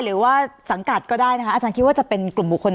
หรือคิดว่าจะเป็นกลุ่มบุคคล